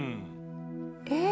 えっ？